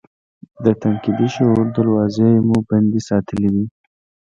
د تنقیدي شعور دراوزې مو بندې ساتلي دي.